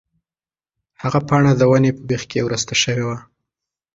هغه پاڼه د ونې په بېخ کې ورسته شوې وه.